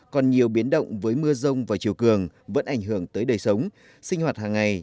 còn nhiều biến động với mưa rông và chiều cường vẫn ảnh hưởng tới đời sống sinh hoạt hàng ngày